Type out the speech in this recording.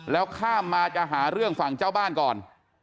แล้วข้ามมาจะหาเรื่องฝั่งเจ้าบ้านก่อน